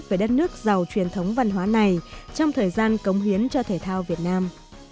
về đất nước giàu truyền thống văn hóa này trong thời gian cống hiến cho thể thao việt nam